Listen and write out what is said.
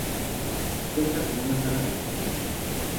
Cuenta con una sala de exhibición.